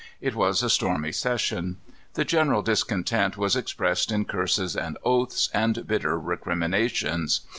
It was a stormy session. The general discontent was expressed in curses and oaths, and bitter recriminations.